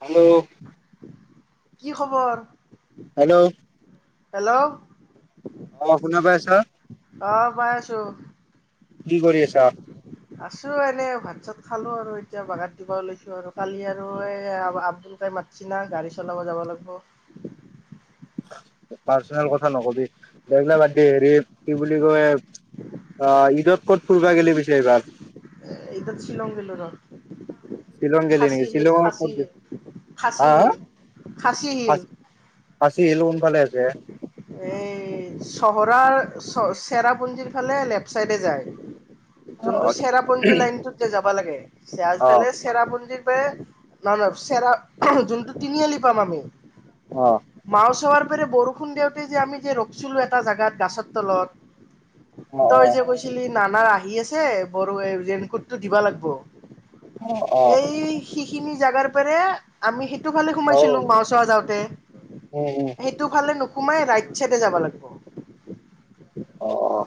Hello কি খবৰ hello hello অ শুনা পাইছো হা আহ পাই আছো কি কৰি আছা আছো এনে ভাত চাত খালো আৰু এতিয়া বাগাত দিবা ললৈছো আৰু কালি আৰু এই আব্দুল কাই মাছ না গাড়ী চলাব যাব লাগিব পাৰ্চনেল কথা নকবি বগিলা বাদ হেৰি কি বুলি কয় আহ ঈদত ক'ত ফুৰিবা গেলি পিছে এইবাৰ ইদৰ শ্বিলং গেলো ৰ শিলং গেলে খাচী নেকি হিল শিলং খাচী ক'ত গেলি হিল খাচী হা হিল। খাচী হিল হা ভালে আছে এই চহৰৰ চেৰাপুঞ্জীৰ ফালে লেফ্ট চাইডে যায় অ যোনটো চেৰাপঞ্জী লাইনটোতে যাব খাব লাগে অ অ আজফালে ছেৰাপুঞ্জীৰ নহয় চেৰা যোনটো তিনিআলি পাম আমি মাছোৱাৰ বৰষুণ দিয়ক তে যে আমি যে ৰখিছিলোঁ এটা জেগাত গাছৰ তলত অ তইজে কৈছিলি নানা আহি আছে বৰ ৰেনকোটটো দিবা লাগব অ অ এই শ খিনি জাগাৰ পৰা আমি সটো ফালে অ সোমাইছিলো মাওচৰা যাওঁতে উম উম সেইটো ফালে ন সোমাই ৰাইট চাইডে যাব লাগিব। অ অ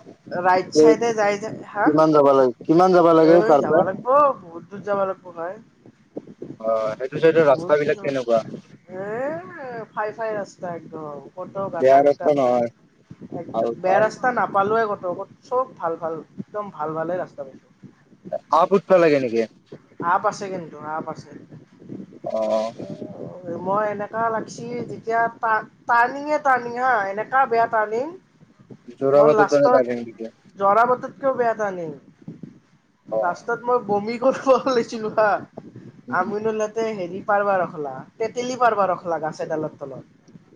ৰাইট এই চাইডে যাই যাই হা কিমান যাবা লাগে কিমান যাবা এ লাগে তাৰ যাব পৰা লাগিব বহুত [unintelligible] ভাই। অ সেইটো চাইডৰ ৰাস্তা বহুত বিলাক কেনেকুৱা এ ফাই ফাই আছে [unintelligible] কতো বেয়া গাটা গোটা ৰাস্তা নই নহয় এক ভাল বেয়া ভাল ৰাস্তা নাপালো এ। চব ভাল ভাল একদম ভাল ভালে ৰাস্তা পাইছো। আপ উঠিব লাগে নেকি? আপ আছে কিন্তু আপ আছে। অ'। মই এনেকা লাগছি যেতিয়া পান পান [unintelligible] তাৰনিং এনেকা বেয়া তাৰনিং মই যোৰাবাটৰ দৰে পাই লাষ্টত থাকে নেকি জোৰাবাটতকেও বেয়া টাৰ্ণিং অ ৰাস্তাত মই বমি [unintelligible] আমিনলতে হেৰি পাৰ্বা ৰখলা তেতেলী পাৰবা ৰখলা গাছ এডালৰ তলত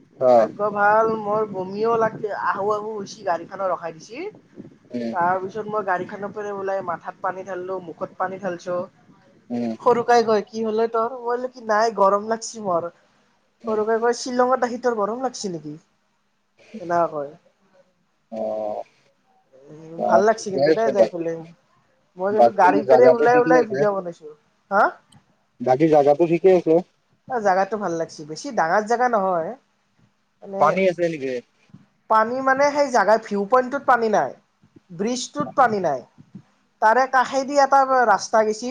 অ', ভাগ্য ভাল মই বমিও লাগ আহু আহু হৈছি গাড়ীখান অ' ৰখাই দিছে। উম, তাৰপিছত মই গাড়ী খানৰ পৰা ওলাই মাথাত পানী ঢালো মুখত পানী ঢালছো। উম, সৰু কাই গৈ কি হলে তোৰ মই‌ছো কি নাই গৰম লাগিছি মোৰ। উম, সৰুকাই কৈ শ্বিলঙত আহি [unintelligible] লাগিছে নেকি? তেনে ক, অ', ভাল লাগিছে ঠিকে কিন্তু দোই আছে যাই বাকী ফলে মই কিন্তু বাকী গাড়ী পেৰে জাগাটো ওলাই ঠিকে ওলাই আছে, ভিডিঅ' বনাইছো হা বাকী জাগাটো ঠিকে আছে। জাগাটো ভাল লাগছ বেছি ডাঙৰ জোগা নহয়। মানে পানী আছে নেকি? পানী মানে সেই জাগা ভিউ পইন্টত পানী নাই ব্ৰিজটোত পানী নাই তাৰে কাষেদি এটা ৰাস্তা গেছি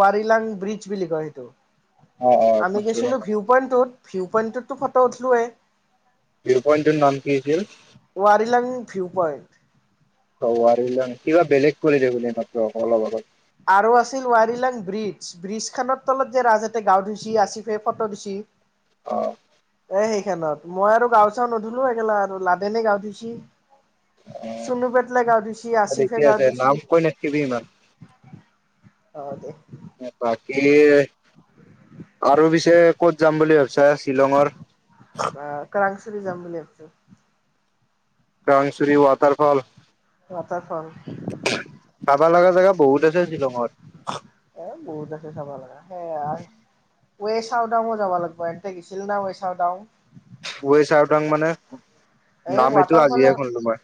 ৱাৰিলাং ব্ৰিজ বুলি কয় সেইটো। অ', অ', আমি শুনছো ৰ। গৈছিলো ভিউ পইন্টত। ভিউ পইণ্টতোত ফটো উঠলোোৱৱেই ভিউ পইণ্টটোৰ নাম কি আছিল ৱাৰিলাং ভিউ পইণ্ট ৱাৰিলাং কিবা বেলেগ কলি দেখোন এই মাত্ৰ অলপ আগত আৰু আছিল ৱাৰিলাং ব্ৰিজ ব্ৰিজ খনৰ তলত যে ৰাজহঁতে গাও ধুইছে আছিফে ফটো দিছে অ সেইখনত মই আৰু গাও চাও নুধলো এইগেলা আৰু লাডেনে গাও ধুছে সুনুপেটলে গাও ধুইছে ঠিকে আছিফে আছে গাও নাম ধুইছে কৈ নাথাকিবি ইমান। হ'ব দে বাকী আৰু পিছে ক'ত যাম বুলি ভাবিছা শ্বিলঙৰ? এইবাৰ কাংচিৰি যাম বুলি ভাবিছো, কংচুৰী ৱাটাৰফল। ৱাটাৰফল চাবা লাগা জেগা বহুত আছে শ্বিলঙৰ এ বহুত আছে চাব লগা সেয়া ৱে চাউডাংও যাব লাগিব এতে গিছিল না ৱে চাউডাংও ৱে চাউডাংও মানে এই নাম এইটো আজিহে ৱাটাৰফলে শুনিলো মই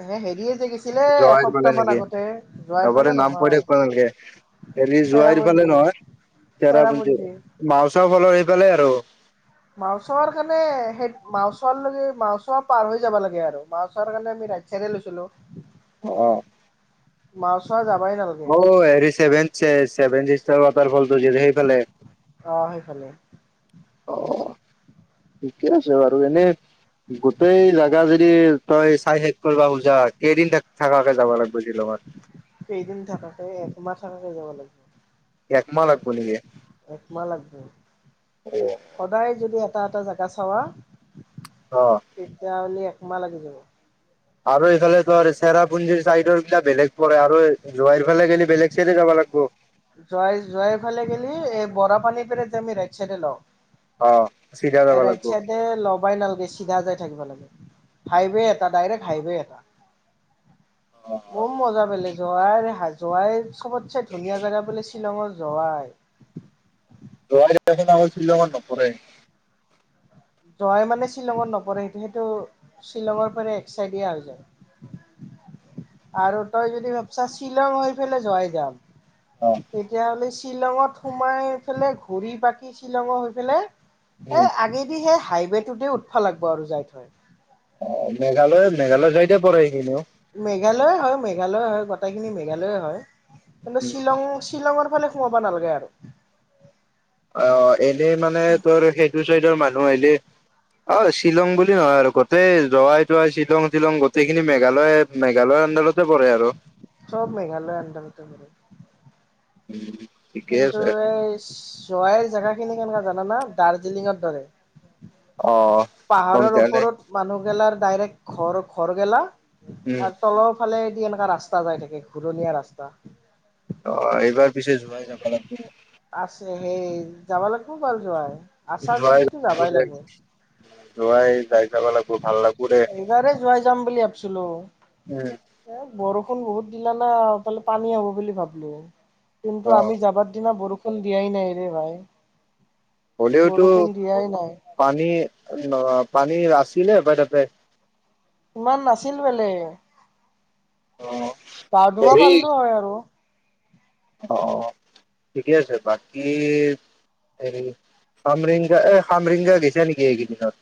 হে হেৰিয়ে যে গৈছিলে জোৱাই ফালে এসপ্তাহ মান নেকি আগতে যোৱাৰ হ'ব দে ফালে নাম কৈ নহয় থাকিব নালাগে। হেৰি জোৱাই ফালে চেৰাপুঞ্জী নহয় চেৰাপুঞ্জু চেৰাপুঞ্জী মাও চাও গলে গলে আৰু মাউচ্চৰ কাৰণে সেই মাইছৰ লেগী মাউছ পাৰ হৈ যাব লাগে মাউচ্চৰ কাৰণে আমি ৰাইট চাইছে লইছিলো অ মাউচ্চৰ যাম অ হেৰি চেভেনচে চেভেন জি ৱাটাৰ ফলটো যে সেইফালে অ সেইফালে অ ঠিকে আছে বাৰু এনে গোটেই জেগা যদি তই চাই শেষ কৰিব খোজা কেইদিন থাকাকে যাব লাগিব! শ্বিলঙত কেইদিন থাকাকে, একমাহ থাকাকে যাব লাগিব। এক মাহ লাগিব এক মাহ লাগিব। সদায় যদি এটা, এটা জাগা চাবা অ তেতিয়া হলে এক মাহ লাগি যাব আৰু এইফালে তোৰ, চেৰাপুঞ্জিৰ চাইডৰবিলাক বেলেগ পৰে। আৰু এই জোৱাই ফালে গ'লে, বেলেগ চাইডে যাবা লাগব জোৱাই, জোৱাই ফালে গ'লে, এই বৰাপানী পিনে আমি ৰাইট চাইডে লওঁ অ'। চিধা যাব ৰাইট লাগব চাইডে লবাই নালগে, চিধা যাই থাকিব লাগে। হাইৱে এটা, ডাইৰেক্ট হাইৱে এটা অ বম, মজা বেলেগ। জোৱাইৰ এই সাজ জোৱাইৰ চবতছে ধুনীয়া জেগা বোলে, শ্বিলঙৰ জোৱাই জোৱাই জেগাখন শ্বিলঙত নপৰে। জোৱাই, মানে, শ্বিলঙত নপৰে। সেইটো শ্বিলঙৰ ফালে, এক চাইডে হৈ যায়। আৰু তই যদি ভাবছা, শ্বিলং হৈ পেলাই জোৱাই যাম অ তেতিয়াহ'লে শ্বিলঙত সোমাই এইফালে ঘূৰি-পাকি শ্বিলঙৰ হৈ পেলাই উম এ, আগে এই হাইৱেটোতে উঠবা লাগিব আৰু যাই থৈ অ', মেঘালয়, মেঘালয় যাইতে পৰে সেইখিনিও। মেঘালয়ে হয়। মেঘালয়ে হয়। গোটেইখিনি মেঘালয়ে হয়। কিন্তু শ্বিলং, শ্বিলঙৰ ফালে সোমাব নালগে আৰু অ' এনেই মানে, তোৰ সেই সিটো চাইডৰ মানুহ আহিলে, অ', শ্বিলং বুলি নহয় আৰু। গোটেই জোৱাই-তোৱাই, শ্বিলং-টিলং, গোটেইখিনি মেঘালয়, মেঘালয় আণ্ডাৰতেই পৰে আৰু। চব মেঘালয় আণ্ডাৰতেই পৰে। ঠিকে কিন্তু, আছে এই শ্বি জোৱাইৰ জেগাখিনি কেনেকুৱা জানা না? দাৰ্জিলিঙৰ দৰে অ কম পাহাৰৰ তেতিয়াহ'লে ওপৰত মানুহগিলাৰ ডাইৰেক্ট খৰ, খৰ গেলা উম আৰু তলৰ ফালে দি এনে এটা ৰাস্তা যায় থাকে, ঘূৰণীয়া ৰাস্তা অ', এইবাৰ পিছে যোৱাই নাপালোঁ আছে। সেই, যাবা লাগব বাৰু জোৱাই। জোৱাইৰ [unintelligible] জোৱাই তাই যাবা লাগব, ভাল লাগব ৰে এইবাৰে যোৱাই যাম বুলি ভাবিছিলো। এ বৰষ ষুণ বহুত দিলা না এইফালে পানী হ'ব বুলি ভাবলো। কিন্তু অ আমি যাবাৰ দিনা বৰষুণ দিয়াই নাইৰে ভাই। হলেওতো বৰষুণ দিয়াই নাই পানী [unintelligible] পানী ৰাস্ত- ছিলে হপায় তাতে। ইমান নাছিল বোলে। অ পাৰদোৱা হেৰি পালো হয় আৰু [inaudible] অ, অ, ঠিকে আছে বাকী হেৰি খামৰিংগা, এই খামৰিংগা গৈছা নেকি এইকেইদিনত?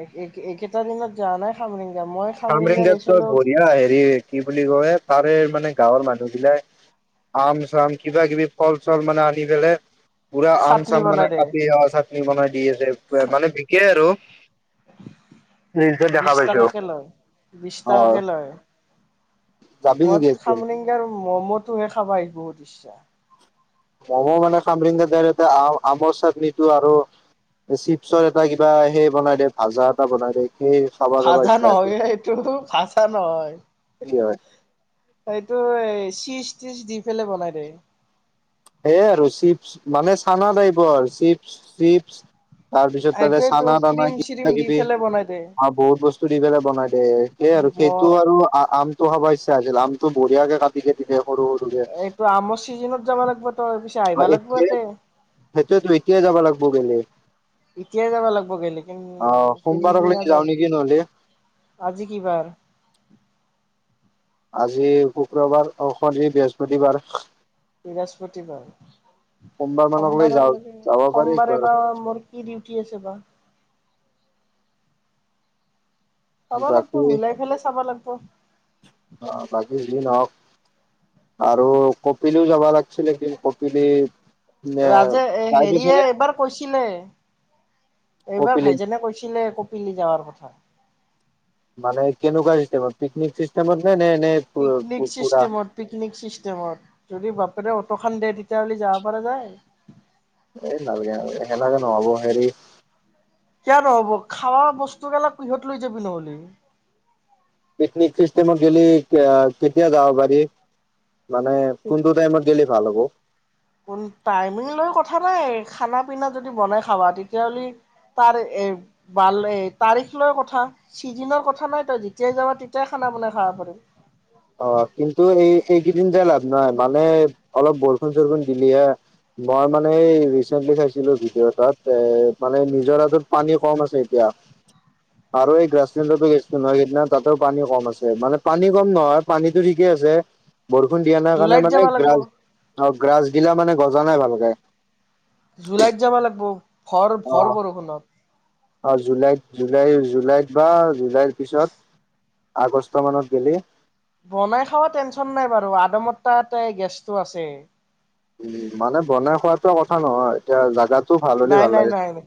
এইকেইটা দিনত যোৱা নাই সামৰিং সামৰিংগাত টো বঢ়িয়া হেৰি কি বুলি কয় তাৰে মানে গাঁৱৰ মানুহ বিলাক আম চাম কিবা কিবি ফল চল মানে আনি পেলাই পূৰা আম চাটনি চাম বনাই মানে দে কাতি বনাই দি আছে মানে বিকে আৰু নিওজত দেখা বিশ পাইছো। টকাকে লয় বিশ অ টাকাকে লয়, যাবি নেকি [unintelligible] একদিন? খামৰিংগা আৰু মম'তটোহে খাব আহি বহুত ইচ্ছা মম' মানে খামৰিংগাত আ-আমৰ চাটনিটো আৰু চিপছৰ এটা কিবা সেই বনাই দে ভাজা এটা বনাই দে ভাজা নহয় এইটো, ভাজা নহয়। কি হয়। এইটো চিস দি পেলাই বনাই দে সেয়ে আৰু চিপছ মানে চানা টাইপৰ আৰু চিপ-চিপছ তাৰ পিছত তাৰে সেইটোয়েতো চানা দানা ক্ৰীম চিৰিম কিবা দি কিবি পেলাই বনাই দে অ বহুত বস্তু দি পেলাই বনাই দে, আৰু মই সেইটো আৰু আমতটো খাবাইছে [unintelligible] আমটো বঢ়িয়াক কে কাটি [unintelligible] এইটো আমৰ চিজনত যাবা লাগিব তই পিছে আহিবা এ, লাগিব ইয়াতে সেইটোতো এতিয়াই যাব লাগিব গলে এতিয়াই যাব লাগিব গলে, কি অ সোমবাৰক লেগি [unintelligible] যাওঁ যাম। নেকি নহলে আজি কি বাৰ? আজি শুক্ৰবাৰ, [unintelligible] বৃহস্পতিবাৰ। বৃহস্পতিবাৰ, সোমবাৰ মানকলৈ যাওঁ সোমবাৰকলগে যাব পাৰি একবাৰ সোমবাৰে বা মোৰ কি ডিউটি আছে বা। চাব লাগিব বাকী মিলাই পেলাই চাব লাগিব অ, বাকী যি নহওক আৰু কপিলিও যাব লাগিছিলে কিন্তু কপিলি ৰাজে এ যাই হেৰিয়ে পাইছনে এইবাৰ কৈছিলে এইবাৰ কপিলি ভাইজনে কৈছিলে কপিলি যাৱাৰ কথা মানে কেনেকুৱা চিষ্টেমৰ পিকনিক চিষ্টেমত? নে নে নে পিকনিক পুৰা চিষ্টেমত পিকনিক চিষ্টেমত যদি বাপৰে দে তেতিয়াহলে যাব পৰা যায়। এই নালাগে আৰু দে। তেনেকে নহ'ব হেৰি কিয় নহব খাৱা বস্তুবিলাক কিহত লৈ যাবি নহ'লে পিকনিক চিষ্টেম গেলি কেতিয়া জাব পাৰি মানে কোনটো টাইমত গেলি ভাল হ'ব কোন টাইমিং লৈ কথা নাই খানা পিনা যদি বনাই খাবা তেতিয়াাহ'লে তাৰ এ ভাল তাৰিখ লৈ কথা চিজনৰ কথা নাই তই যেতিয়াই যাবা তেতিয়াই খানা বনাই খাবা পাৰিম অ অঁকিন্তু এই এইকেইদিন যে লাভ নাই মানে অলপ বৰষুণ চৰষুণ দিলিহে মই মানে এই ৰিচেন্টলি খাইছিলো ভিডিঅ'টাত এ মানে নিজৰা টোত পানী কম আছে এতিয়া আৰু এই গ্ৰাছলেণ্ডো গেছটো নহয় সেইদিনা তাতো পানী কম আছে মানে পানী কম নহয় পানীতো ঠিকে আছে বৰষুণ দিয়া অ নাৰ কাৰণে জুলাইত মানে যাব লাগিব গ্ৰাচ অ' গাছ গিলা মানে গজা নাই ভালকে। জুলাইত যাবা লাগিব। ঘৰ অ ভৰ বৰষু নত অ' জুলাইত জুলাই জুলাইত বা যাই পিছত আগষ্ট মানত গেলি বনাই খাৱ টেনচন নাই বাৰু আদ মতাতে গেছটো আছে উ মানে বনাই খোৱাত কথা নহয় এতিয়া জাগাত নাই, নাই, নাই, নাই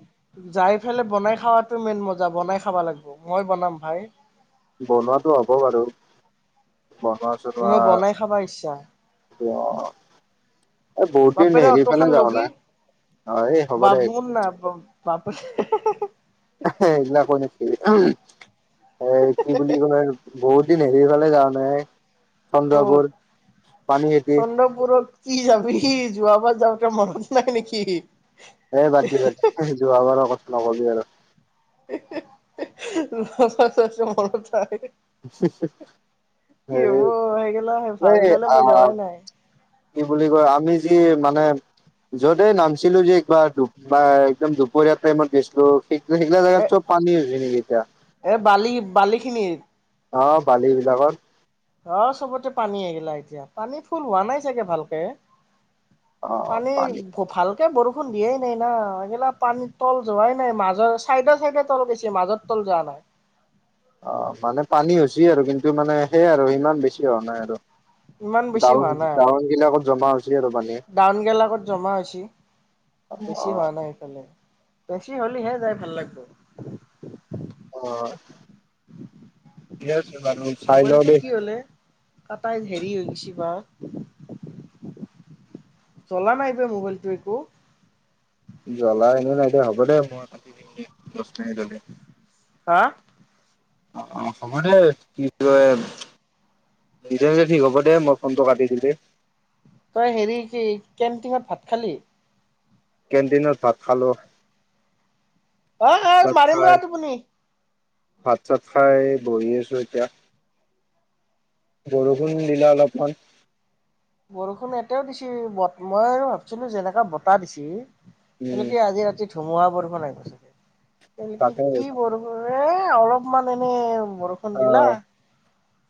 যাই ফেলে বনাই খোৱাাতটো মেইন মজা। বনাই খাব লাগিব। মই বনাম ভাই। বনোৱাটো হব বাৰু। বনোৱা মই বনাই খাবা ইচ্ছা অ' বাপেৰে অত খান লবি অ এই হ'ব দে বাপু ন বাপেৰে এহে হেইনা কয় নেকি অঁ এ কি বুলি ক'লে বহুত দিন হেৰিফালে যা নাই। ক'ত চন্দ্ৰপুৰ পানীখাইতি চন্দ্ৰপুৰত কি যাবি সি যোৱাবাৰ যাব তাৰ মনত নাই নেকি? এ বাদি বি যোৱাবাৰৰ কথা। নকবি আৰু। নচ চ মৰঠায় [unintelligible] হেৰি হ'ব সেইগিলা ভাবি এই পেলাই আ মই যোৱাই নাই। কি বুলি কয় আমি মানে য'তে নামছিলো যে একবাৰ একদম দুপৰীয়া টাইমত গৈছিলো সেইগিলা জেগাত এ চাব পানী হৈছে নেকি এতিয়া এ বালি বালি খিনিত অ বালি বিলাকত আহ চবতে পানী আহগিলা এতিয়া পানী ফুল হোৱা নাই চাগে ভালকে পানী ভাল তে বৰষুণ দিয়ে নাই না এইগিলা পানীত তল যোৱাই নাই মাজৰ চাইদৰ চাইডে তল গৈছে মাজত তল যোৱা নাই বুজি আৰু কিন্তু মানে সেয়াই আৰু ইিমান বেছি হোৱা নাই আৰু ইমান দ বেছি হোৱা নাই। দাৱন গিলা আকত জমা হৈছে আৰু পানী ডাউন গেল আগত জমা হৈছ অ বেছি হোৱা নাই সফালে বেছি হ'লেহে যাই ভাল লাগিব অ নি [unintelligible] মোবাইলটো কি হলে কটাই হেৰি হৈ গৈছ বা চলা নাই যে মোবাইলটো একো জ্বলা এনো নাই দে হ'ব দে মই কাটি দিম দে দহমিনিটতে হা অ অ হ'ব দে কি কয় নিজে নিজে ঠিক হ'ব দে মই ফোনটো কাটি দিলেই তই হেৰি কি কেনটিনত ভাত খালি কেণ্টিনত ভাত খালো ভাত অই চাত খাই মাৰিমৰা টোপনি ভাত চাত খাই বহি আছো এতিয়া বৰষুণ দিলা অলপমান বৰষুণ এতিয়াও দিছে বত মই আৰু ভাবছিলো যেনেকা বতাহ দিছে উম তেওঁলোকে আজি ৰাতি ধুমুহা বৰষুণ আহিব সচাকে তেওলোকে তাকে কি বৰষুণ এ অলপমান এনে বৰষুন দিলা আহ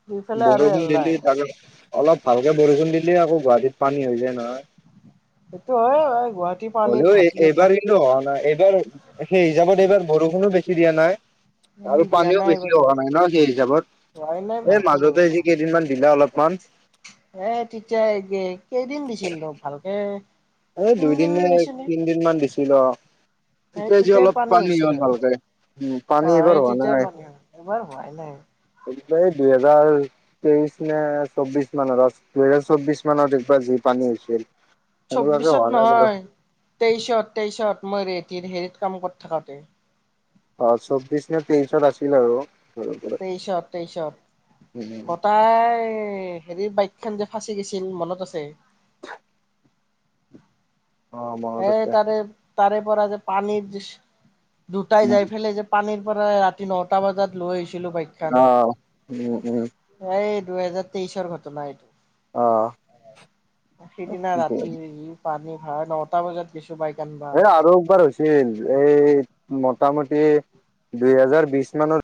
দুইফালে আৰু বৰষুণ এল্লাই দিলি তাকে অলপ ভালকে বৰষুণ দিলে আকৌ গুৱাহাটীত পানী হৈ যায় নহয় সেইটো হয় বাৰু হলেও এইবাৰ কিন্তু অহা নাই এইবাৰ সেই হিচাপত এইবাৰ বৰষুণো বেছি দিয়া নাই উম আৰু দিয়া পানীও নাই বেছি এইবাৰ হোৱা নাই বৰষুণ ন সেই হিচাপত হোৱাই নাই এই ভালকে মাজতে বৰষুণ যি কেইদিনমান দিলে অলপমান এ তেতিয়া এই কেইদিন দিছিলনো ভালকে এই তিনদিন দুইদিন নে তিনদিনমান দিছিলে অ এই তেতিয়া যি তেতিয়াই অলপ পানী হ'ল হৈছিলে। আৰু ভালকে উম পানী অ এইবাৰ এই হোৱা নাই তেতিয়াই পানী হয়। এইবাৰ হোৱা নাই এই দুহেজাৰ তেইশ নে চৌবিশ মানত দুহেজাৰ চৌবিশ মানত একবাৰ যি পানী হৈছিল সেনেকুৱাকে চৌবিশত হোৱা নাই বাৰু নহয় তেইশত তেইশত মই ৰেট হেৰিত কাম কৰি থাকোতে অ চৌব্বিশ নে তেইশত আছিল আৰু তেইশত তেইশত উম গটাই এ হেৰি বাইকখন যে ফাঁচি গৈছিল মনত আছে অ মনত এ আছে তাৰে তাৰে পৰা যে পানীত দুটাই যাই ফেলাই যে পানীত পৰা ৰাতি নটা বজাত লৈ আহিছো আহ উম উম দুইহেজাৰ তেইশৰ ঘটনা এইটো অ সেইদিনা ৰাতি যি পানী হয় ন টা বজাত কিছু বাইক আনবা হে আৰু একবাৰ হৈছিল এই মোটামুটি দুই হেজাৰ বিশ মানত